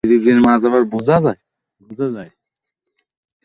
তিনি তাঁর প্রথম স্ত্রী মিলেভা মেরিক এই গবেষণাপত্রে তাকে সহযোগিতা করেছিলেন।